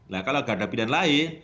nah kalau tidak ada pilihan lain